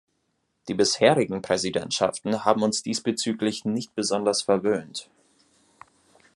Die bisherigen Präsidentschaften haben uns diesbezüglich nicht besonders verwöhnt.